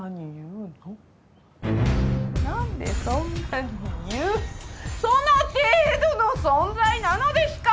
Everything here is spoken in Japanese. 何でそんなに言うその程度の存在なのですか！？